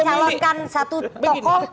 mencalonkan satu tokoh